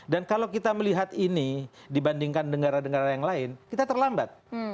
dan kalau kita melihat ini dibandingkan negara negara yang lain kita terlambat